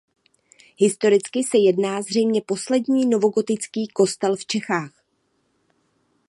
Historicky se jedná zřejmě poslední novogotický kostel v Čechách.